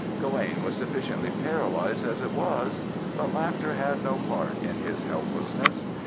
Gawaine was sufficiently paralyzed as it was, but laughter had no part in his helplessness.